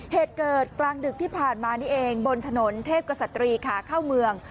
เหตุเกิดกลางดึกที่ผ่านมานี่เองบนถนนเทพกษัตรีขาเข้าเมือง